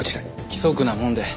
規則なもんで。